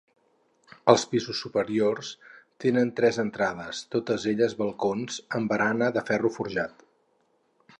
Els pisos superiors tenen tres entrades, totes elles balcons amb barana de ferro forjat.